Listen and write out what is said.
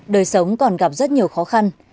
đời sống còn gặp rất nhiều khó khăn